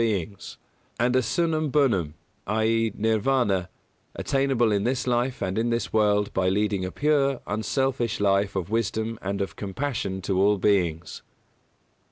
e._, Nirvāna, attainable in this life and in this world by leading a pure, unselfish life of wisdom and of compassion to all beings.